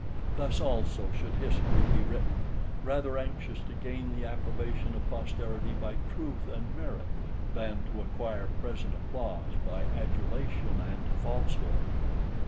Thus also should history be written, rather anxious to gain the approbation of posterity by truth and merit, than to acquire present applause by adulation and falsehood.